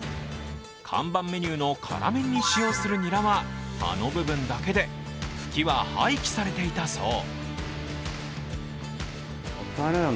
看板メニューの辛麺に使用するニラは葉の部分だけで茎は廃棄されていたそう。